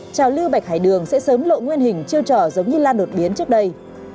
trào lưu bạch hải đường sẽ sớm lộ nguyên hình chiêu trò giống như lan đột biến trước đây